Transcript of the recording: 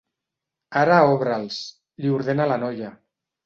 Ara obre'ls —li ordena la noia—.